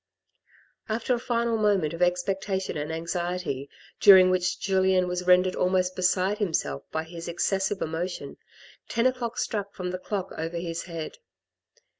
After a final moment of expectation and anxiety, during which Julien was rendered almost beside himself by his ex cessive emotion, ten o'clock struck from the clock over his head.